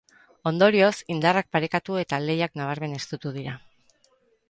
Ondorioz, indarrak parekatu eta lehiak nabarmen estutu dira.